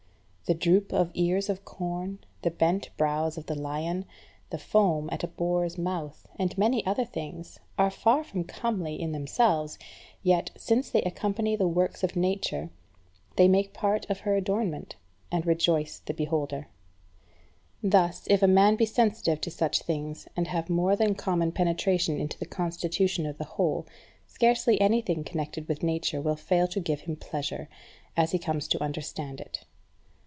The droop of ears of corn, the bent brows of the lion, the foam at a boar's mouth, and many other things, are far from comely in themselves, yet, since they accompany the works of Nature, they make part of her adornment, and rejoice the beholder. Thus, if a man be sensitive to such things, and have a more than common penetration into the constitution of the whole, scarce anything connected with Nature will fail to give him pleasure, as he comes to understand it.